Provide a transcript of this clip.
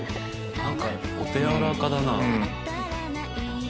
何かお手柔らかだな。